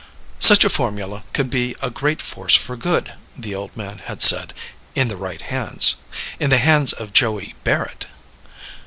Such a formula could be a great force for good, the old man had said. In the right hands. In the hands of Joey Barrett.